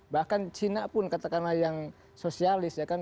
bahkan cina pun katakanlah yang sosialis